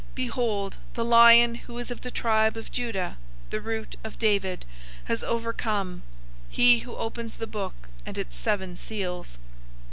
Behold, the Lion who is of the tribe of Judah, the Root of David, has overcome; he who opens the book and its seven seals."